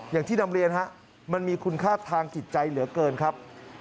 อย่างที่นำเรียนฮะมันมีคุณค่าทางจิตใจเหลือเกินครับ